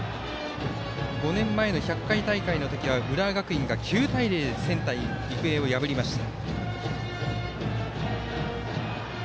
５年前の１００回大会では浦和学院が９対０で仙台育英を破りました。